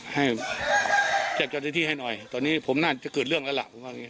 ให้เจ็บจอดที่ที่ให้หน่อยตอนนี้ผมน่าจะเกิดเรื่องแล้วล่ะ